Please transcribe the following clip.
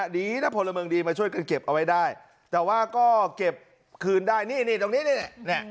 ดีนะพลเมืองดีมาช่วยกันเก็บเอาไว้ได้แต่ว่าก็เก็บคืนได้นี่นี่ตรงนี้นี่